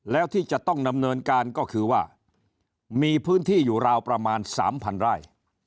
แล้วที่จะต้องดำเนินการก็คือว่ามีพื้นที่อยู่ราวประมาณ๓๐๐ไร่